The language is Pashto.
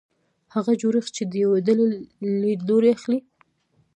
هغه جوړښت چې د یوې ډلې لیدلوری اخلي.